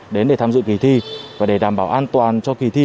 đến để tham dự kỳ thi và để đảm bảo an toàn cho kỳ thi